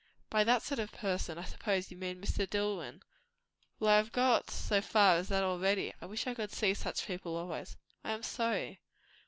"By 'that sort of person' I suppose you mean Mr. Dillwyn? Well, I have got so far as that already. I wish I could see such people always." "I am sorry."